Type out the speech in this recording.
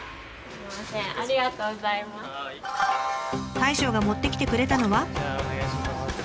大将が持ってきてくれたのは。